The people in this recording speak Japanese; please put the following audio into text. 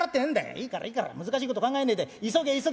「いいからいいから難しいこと考えねえで急げ急げ」。